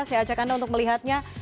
saya ajak anda untuk melihatnya